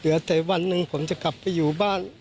เหลือแต่วันหนึ่งผมจะกลับไปอยู่บ้าน